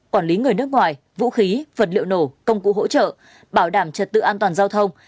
quản lý người nước ngoài vũ khí vật liệu nổ công cụ hỗ trợ bảo đảm trật tự an toàn giao thông